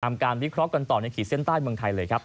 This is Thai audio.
การวิเคราะห์กันต่อในขีดเส้นใต้เมืองไทยเลยครับ